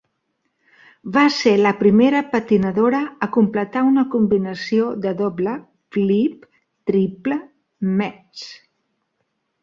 Va ser la primera patinadora a completar una combinació de doble 'flip', triple 'metz'.